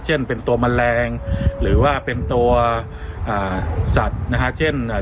เช่นเป็นตัวแมลงหรือว่าเป็นตัวอ่าสัตว์นะคะเช่นอ่า